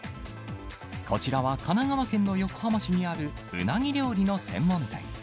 こちらは神奈川県の横浜市にある、うなぎ料理の専門店。